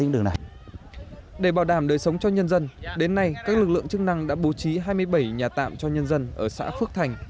để bảo đảm đời sống cho nhân dân đến nay các lực lượng chức năng đã bố trí hai mươi bảy nhà tạm cho nhân dân ở xã phước thành